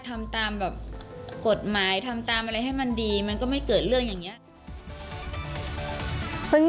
ทำตามแบบกฎหมายทำตามอะไรให้มันดีมันก็ไม่เกิดเรื่องอย่างนี้